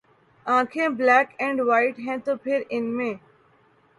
آنکھیں ’ black and white ‘ ہیں تو پھر ان میں